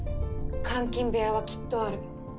監禁部屋はきっとある。